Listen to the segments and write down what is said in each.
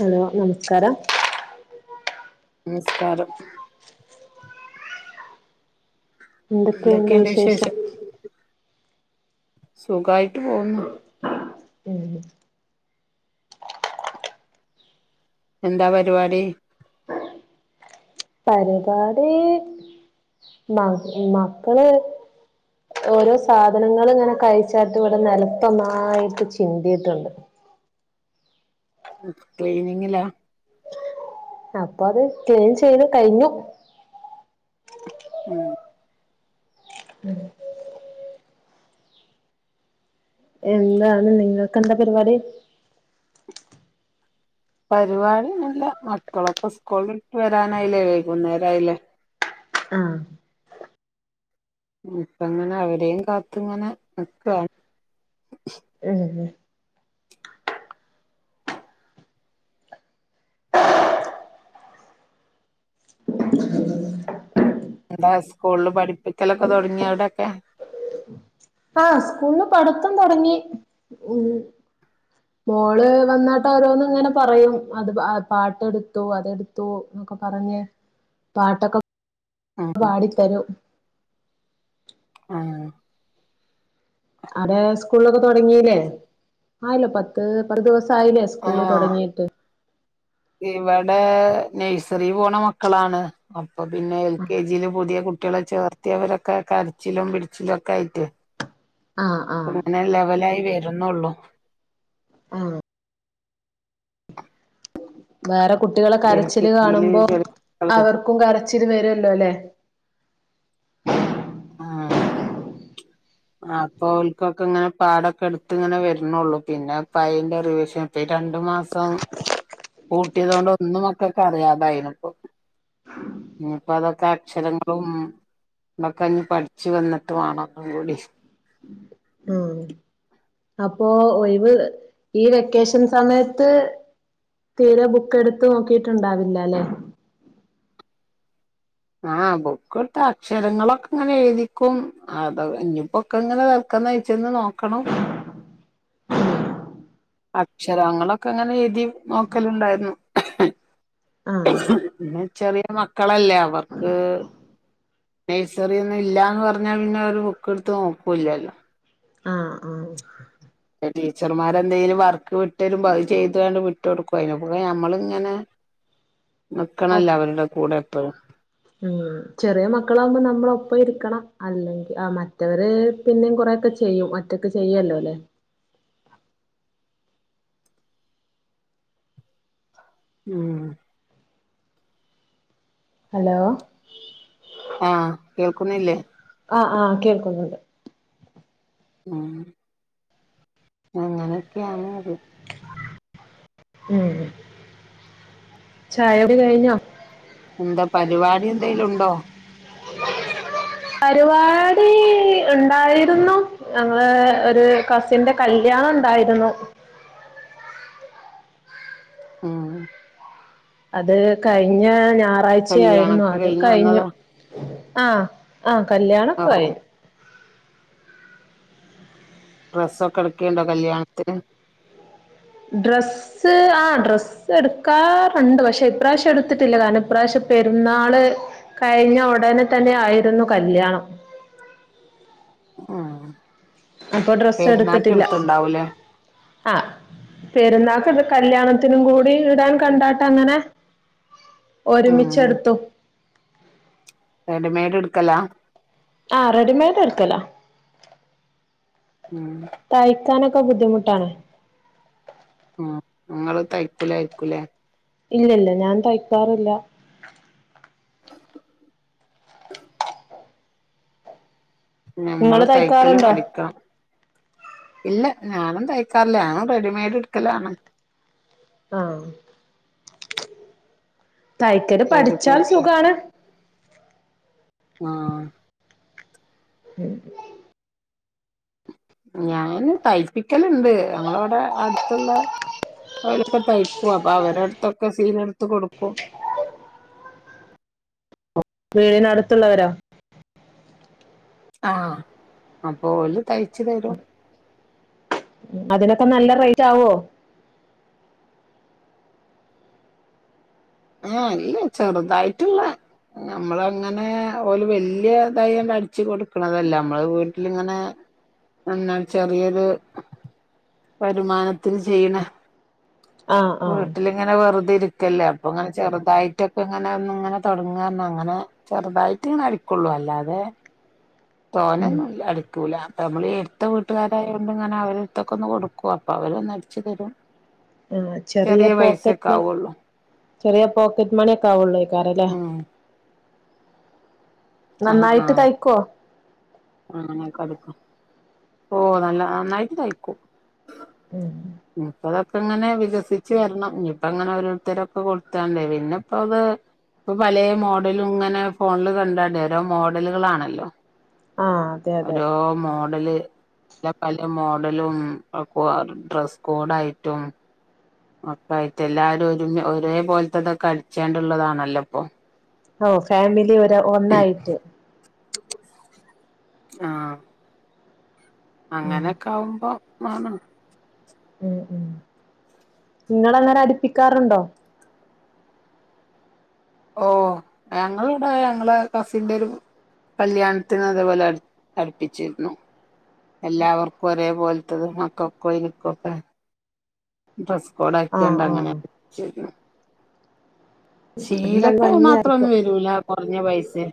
Hello നമസ് നമസ്കാരം നമസ്കാരം എന്തൊക്കെയുണ്ട് വിശേഷം? സുഗായിട്ട് പോകുന്നു. ഉം എന്താ പരിപാടി. പരിപാടി മ മക്കൾ ഓരോ സാധനങ്ങൾ ഇങ്ങനെ കഴിച്ചാട്ട് ഇവടെ നിലത്ത് ഒന്നായിട്ട് ചിന്തിയിട്ടുണ്ട്. ക്ലീനിങ്ങിലാ അപ്പൊ അത് ക്ലീൻ ചെയ്ത് കഴിഞ്ഞു. ഉം [inaudible] എന്താണ് നിങ്ങൾക്ക് എന്താണ് പരിപാടി പരിപാടി ഒന്നും ഇല്ല മക്കൾ ഒക്കെ സ്കൂൾ വിട്ട് വരാൻ ആയില്ലേ വൈകുന്നേരം ആയിലെ ആഹ് അപ്പൊ ഇങ്ങനെ അവരെയും കാത്ത് ഇങ്ങനെ നിക്കാണ് ഉം എന്താ സ്കൂളിൽ പഠിപ്പിക്കൽ ഒക്കെ തുടങ്ങിയോ അവിടെ ഒക്കെ ആ സ്കൂളിൽ പഠിത്തം തുടങ്ങി ഉം മോൾ വന്നാട്ട് ഓരോന്ന് ഇങ്ങനെ പറയും പാട്ട് എടുത്തു അത് എടുത്തുന്നൊക്കെ പറഞ്ഞു പാട്ടൊക്കെ ആഹ് പാടിത്തരും ആഹ് അവിടെ സ്കൂളിൽ ഒക്കെ തുടങ്ങിലെ ആയല്ലോ പത്ത് പത്ത് ദിവസം സായിലെ സ്കൂൾ തുടങ്ങിയിട്ട് ഇവടെ നൈസറിയിൽ പോണ മക്കളാ അപ്പൊ പിന്നെ എൽ കെ ജി പുതിയ കുട്ടികളെ ചേർത്തിയവർ ഒക്കെ കരച്ചിലും പിടിച്ചിലും ഒക്കെ ആയിട്ട് ആഹ് ആഹ് അങ്ങനെ ലെവലായി വരുന്നുള്ളു ആഹ് വേറെ എൽ കെ കുട്ടികളകരച്ചില് ജിയില് കാണുമ്പോൾ ചെറിയ മക്കള് അവർക്കും കര [unintelligible] ആഹ് [unintelligible] ഇനിയിപ്പോ അതൊക്കെഅക്ഷരങ്ങളുംതൊക്കെ പഠിച്ച് വന്നിട്ട അപ്പോ ഒഴിവ് ഈ വെക്കേഷൻ സമയത്ത് തീരെ ബുക്ക് എടുത്തു നോക്കിയിട്ടുണ്ടാ വില്ലല്ലോ അല്ലേ ആ ബുക്ക് [unintelligible] അക്ഷരങ്ങളൊക്കെ അങ്ങനെ എഴുതി നോക്കൽ ഉണ്ടായിരുന്നു ആഹ് ന്നെ ചെറിയ [unintelligible] ക്കളല്ലേ അവർക്ക് നഴ്സറി ഇന്ന് ഇല്ലാന്ന് പറഞ്ഞാൽ പിന്നെ അവര് ബുക്ക്ടുത്ത് നോക്കുകയില്ല ആ ടീച്ചർമാർ ന്തെങ്കിലും വർക്ക് വിട്ട് തരുമ്പോ അത് ചെയ്ത് ങ്ങട് വിട്ട് കൊടുക്കും അതിന്റെ ക്കു ടെ നമ്മ ളങ്ങനെ നികണല്ലോ അവരുടെ കൂടെ [unintelligible] മ്മ് ചെറിയ മക്കളാമ്പോ നമ്മൾ ഒപ്പം ഇരികണം അല്ലെങ്കി മറ്റവര് പിന്നേം കൊറേയോക്കാ ചെയ്യും ഒറ്റക് ചെയ്യും അല്ലെ മ്മ് ഹലോ ആഹ് കേൾക്കുന്നില്ലേ ആ ആ കേൾക്കുന്നുണ്ട് മ്മ് മ്മ് അങ്ങനൊക്ക [unintelligible] മ്മ് ചായകുടി കഴിഞ്ഞോ? ന്ത പരുപാടി ന്തേലും ഒണ്ടോ പരുപാടി ഒണ്ടായിരുന്നു ആ... ഒരു കസിന്റെ കല്യാണോണ്ടാരുന്നു. മ്മ്. അത് കഴിഞ്ഞ ഞ നാറാഴ്ച്ച ആരുന്നു കല്യാണൊക്കെ അത് കഴിഞ്ഞ് കയിഞ്ഞു. വന്നതാ ആ അ കല്യാണോക ഓ കയിഞ്ഞു. ഡ്രസ്സ്‌ ഒക്കെ എടുക്കെ ഒണ്ടോ കല്യാണത്തിന് ഡ്രസ്സ് ആ ഡ്രസ്സ് എടുക്കാറുണ്ട് പക്ഷെ ഇപ്രാശ്യം എടുത്തിട്ടില്ല കാരണം ഇപ്രാശ്യം പെരുന്നാള് കഴിഞ്ഞ ഉടനെ തന്നെ ആയിരുന്നു കല്യാണം ആ അപ്പൊ ഡ്രസ്സ് എടുത്തിട്ടില്ല ആ പെരുന്നാക്ക് കല്യാണത്തിനും കൂടി ഇടാൻ കണ്ടാട്ടങ്ങനെ ഉം ഒരുമിച്ചെടുത്തു റെഡി മേട് എടുക്കലാ ആ റെഡിമെയ്ഡ് എടുക്കലാ ഉം ക്കാനൊക്കെ ബുദ്ധിമുട്ടാണ് ഉ നിങ്ങള് തയ്ക്കൂലായിരിക്കും അല്ലേ ഇല്ല ഇല്ല ഞാൻ തയ്ക്കാറില്ല നമ്മള് നിങ്ങള് തൈക്കല് തയ്ക്കാറുണ്ടോ പഠിക്കണം ഇല്ല ഞാനും തയ്ക്കാറില്ല ഞാനും റെഡിമെയ്ഡ് എടുക്കലാണ് ആ തൈക്കല് പഠിച്ചാൽ റെഡിമെയ്ഡ് സുഖാണ് ആഹ് ഉം ഞാന് തയ്പ്പിക്കല്ണ്ട്. ഞങ്ങളെവടെ അടുത്തുള്ള ഓലൊക്കെ തയ്ക്കും. അപ്പൊ അവരു അടുത്തൊക്കെ സീല ഇട്ത്ത് കൊടുക്കും. വീടിനടുത്തുള്ളവരോ? ആഹ് അപ്പോല് തയ് ച്ച് തരോ അതിനൊക്കെ നല്ല റേറ്റ് ആവോ ആ ഇല്ല ചെറുതായിട്ട്ള്ള നമ്മളങ്ങനെ ഓല് വല്ല്യ ദിയി അടിച്ച് കൊടുക്കണതല്ല നമ്മള വീട്ടിലിരുന്ന് എം പിന്നെ ചെറിയൊരു വരുമാനത്തിൽ ചെയ്യണ ആഹ് ആഹ് വീട്ടിലിങ്ങനെ വെറുതെ ഇരി ക്കെല്ലാം ഓ ചെറുതായിട്ടൊക്കെ ഇങ്ങനെയൊന്ന് ഇങ്ങനെ തൊടങ്ങാന്ന് അങ്ങനെ ചെറുതായിട്ട് ഇങ്ങനെ അടികുള്ളു അല്ലാതെ ഉം തോനെന്നുംല്ല അടിക്കൂല നമ്മളീ എടുത്ത വീട്ട്കാരയൊണ്ട് ഇങ്ങനെ അവരിത്തൊക്കെന്ന് കൊടുക്കും അപ്പൊ അവര് വന്നഴിച്ച് തരും ചെറിയ പോക്കറ്റ് പൈസൊക്കെ മണി ആവുള്ളൂ ചെറിയ പോക്കറ്റ് മണി ഒക്കെ ആവുള്ളൂ [unintelligible] ലെ അ ആ ആ തയ്ക്കോ [unintelligible] ഓ നല്ല നല്ലായിട്ട് തൈക്കും മ് ഇനിപ്പതൊക്കെ ങ്ങനെ വികസിച്ച് വരണം ഇനിയിപ്പ അങ്ങനെ ഓരോരുത്തരൊക്കെ കൊടുത്താണ്ടേ പിന്നെ ഇപ്പ അത് ഇപ്പൊ പലേ മോഡലും ഇങ്ങനെ ഫോണില് കണ്ടാണ്ടേ ഓരോ മോഡലുകളാണല്ലോ ആഹ് അതെ അതെ ഓരോ മൂ മോഡല്ല് ദ പല മോഡലും അപ്പോ ഡ്രസ്സ്കോഡായിട്ടും അപ്പായിട്ട് എല്ലാരും ഒരുമ ഒരേ പോലത്തെതൊക്കെ അടിച്ചേണ്ടുള്ളതാണല്ലോ ഇപ്പൊ ഓ ഫാമിലി ഒര ഒന്നായിട്ട് ആഹ് ഉം അങ്ങനെയൊക്കെ ആവുമ്പം മാണം. ഉം ഉ ഇങ്ങളങ്ങനെ അടുപ്പിക്കാറുണ്ടോ? ഓ ഞങ്ങള് ഇവടെ ഞങ്ങളെ കസിന്റെ ഒരു കല്യാണത്തിന് അതേപോലെ അട് അടുപ്പിച്ചിരുന്നു. എല്ലാവർക്കും ഒരെപോൽ തത് മക്കക്കും എനിക്കൊക്കെ ഡ്രസ്സ്‌ ആഹ് കോടാക്കിയൊണ്ടങ്ങനെ ആഹ് [unintelligible] നല്ല ശീലത്തെ ഭംഗിയായിരിക്കും മാത്രൊന്നും വരൂല [unintelligible] കൊറഞ്ഞ പൈസേ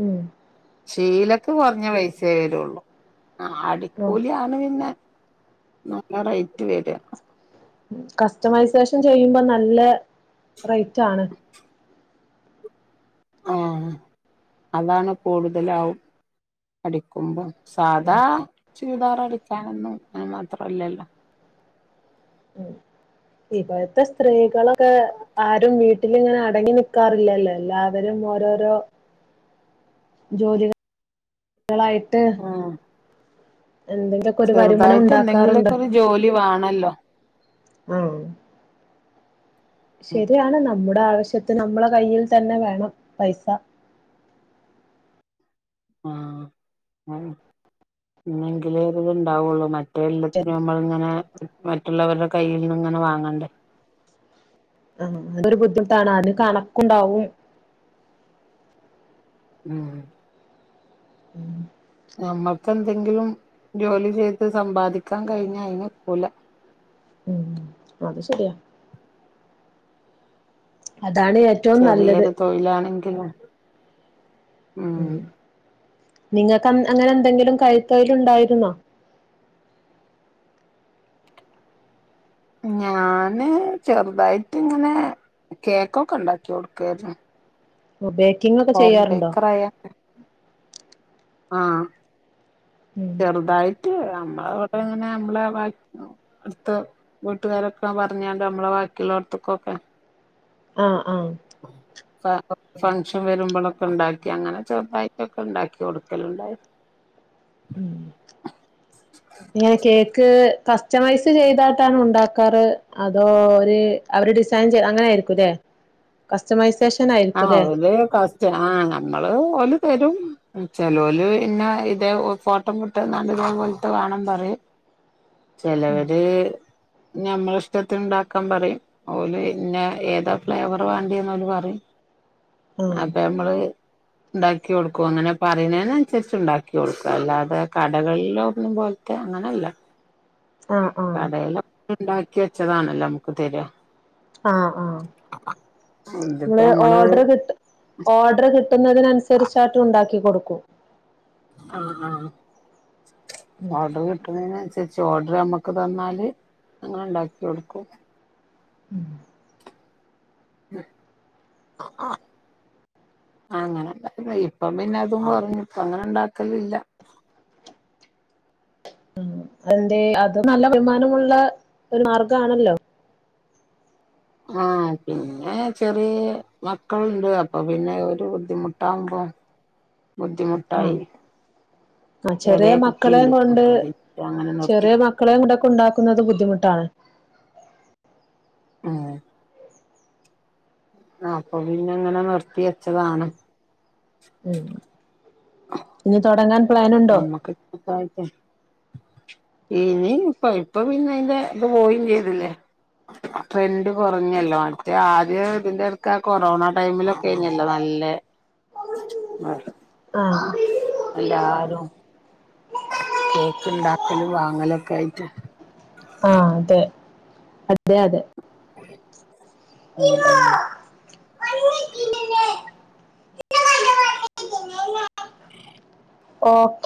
മ്മ് ചീലക്ക് കുറഞ്ഞ പൈസേ വരൂള്ളു ഉം ആടിക്കൂലിയാന്ന് പിന്നെ നല്ല റേറ്റ് വര്യാ കസ്റ്റംമൈസേഷൻ ചെയ്യുമ്പോ നല്ല റെയ്റ്റാണ് ആ അതാണ് കൂടുതലാവും അടിക്കുമ്പം സാധാ ഉം ചുരിദാറടിക്കാനൊന്നും ന്നും മാത്രമില്ലല്ലോ. ഇപ്പഴത്തെ സ്ത്രീകളൊക്കെ ആരും വീട്ടിലിങ്ങനെ അടങ്ങി നിക്കാറില്ലല്ലോ എല്ലാവരും ഓരോരോ ജോലിക ങ്ങളായിട്ട് ആഹ് ചെറുതായിട്ട് ഉണ്ടാക്കാറുണ്ട് എന്തെങ്കിലൊക്കെ ഒരു ജോലി വേണല്ലോ. ആഹ് ശരിയാണ് നമ്മ ളാവശ്യത്തിന് നമ്മളെ കൈയിൽതന്നെ വേണം പൈസ. ആ അഅന്നെ. എന്നങ്കിലേ ഒര്ത് ഇണ്ടാവൊള്ളു. മ റ്റത് എല്ലത്തിനും നമ്മളിങ്ങനെ മറ്റുള്ളവർടെ കൈയ്ന്ന്ങ്ങനെ വാങ്ങണ്ടേ. നമുക്കൊരു ബുദ്ധിമുട്ടാണ് അതിലും കണക്കുണ്ടാവും ആ നമ്മക്കെന്തെങ്കിലും ജോലി ചെയ്ത് സമ്പാദിക്കാൻ കഴിഞ്ഞാൽ ആയിന് ഒക്കൂല മം അതുശരിയാ അതാണ് ഏറ്റവും നല്ലത് ചെറിയൊരു തൊഴിലാണെങ്കിലും മ് ഉം നിങ്ങൾക്ക് അൻ അന്നേരം എന്തെങ്കിലും കൈതൊഴിലുണ്ടായിരുന്നോ? ഞാന് ചെറുതായിട്ടിങ്ങനെ കേക്കൊക്കെ ഉണ്ടാക്കി കൊടുക്കായിരുന്നു ബേക്കിങ് ഒക്കെ ഹോം ചെയ്യാറുണ്ടോ? ആ ഉം ചെറുതായി നമ്മളിവിടെ ങ്ങനെ ഞമ്മള് അടുത്ത വീട്ടുകാരൊക്കെ പറഞ്ഞാല് നമ്മള ബാക്കിയൊള്ളോടത്തൊക്കെ അ ആ ആ ഫൻഷൻ വരുമ്പൊളൊക്കെ ഇണ്ടാക്കി അങ്ങനെ ചെറുതായിട്ട് ഒക്കെ ഇണ്ടാക്കി കൊടുക്കലിണ്ടേ എങ്ങനെ കേക്ക് കസ്റ്റമയ്‌സ് ചെയ്തിട്ടാണോ ഉണ്ടാക്കാറ് അതോ അവര് ഡിസൈൻ ചെയ്ത് അങ്ങനെ ആയിരിക്കുല്ലെ കസ്റ്റമയ്‌സ് ആ കസ്റ്റമർ ആ നമ്മൾ ഓല് തരും ചെലോല് ഇന്ന ഇതേ ഫോട്ടം ഇട്ടാ നല്ലത് പോലെത്തെ വേണം പറയും ചെലവര് ഞമ്മളിഷ്ടത്തിന് ഇണ്ടാക്കാൻ പറയും ഓല് ഇന്ന ഏതാ ഫ്ലേവറ് വേണ്ടിയേന്നോല് പറയും ആഹ് അപ്പൊ ഞമ്മള് ഇണ്ടാക്കി കൊടുക്കും അങ്ങനെ പറയുന്നേനനുസരിച്ചു ഉണ്ടാക്കി കൊടുക്കും അല്ലാതെ കടകളിൽ ഒന്നും പോലെത്തെ അങ്ങനെ അല്ല ആഹ് ആഹ് ഇണ്ടാക്കി വെച്ചതാണല്ലോ നമുക്ക് തര്യാ ആഹ് ആഹ് ഇതിപ്പോ ഇങ്ങള് നമ്മള് ഓഡറ് കിട്ടു ഓഡറ് കിട്ടുന്നതിനനുസരിചാട്ട് ഉണ്ടാ ക്കി കൊടുക്കും ആഹ് ആഹ് ഉം ഓഡറ് കിട്ടുന്നതിനനുസരി ച്ച് ഓർഡറ് അമ്മക്ക് തന്നാല് ഞങ്ങളൊണ്ടാക്കി കൊടുക്കും ഉം ഉം [unintelligible] ആ അങ്ങനെ ഇപ്പൊ പിന്നെ അതും കുറഞ്ഞു ഇപ്പൊ അങ്ങനെ ഉണ്ടാക്കലില്ല ഉം എന്തെ അത് നല്ല വരുമാനമുള്ള ഒരു മാർഗാണല്ലോ ആ പിന്നെ ചെറിയ മക്കളുണ്ട് അപ്പൊ പിന്നെ ഒരു ബുദ്ധിമുട്ടാവുമ്പോ ആഹ് ബുദ്ധിമുട്ടായി ആഹ് ചെറിയ കുട്ടിയുണ്ട് മക്കളെയും അപ്പൊ പിന്നെ അങ്ങനെ നിർത്തി കൊണ്ടാക്കുന്നത് ബുദ്ധിമുട്ട് ആണ് ആഹ് അപ്പൊ പിന്നെ ഇങ്ങനെ നിർത്തി വെച്ചതാണ് മ് ഇനി തൊടങ്ങാൻ അമ്മക്ക് [unintelligible] ഇനി ഇപ്പൊ ഇപ്പൊ പിന്നെ അതിന്റെ ഇത് പോവേം ചെയ്തില്ലേ ട്രെൻഡ് കൊറഞ്ഞല്ലോ മറ്റേ ആദ്യം ഇതിന്റെ [unintelligible] കൊറോണ ടൈമിലൊക്കെ ആയിരുന്നില്ലേ നല്ലേ ആഹ് എല്ലാരും കേക്ക് ഇണ്ടാക്കലും വാങ്ങലും ഒക്കെ ആയിട്ട് ആ അതെ അതെ അതെ മ് മ് ഓഹ്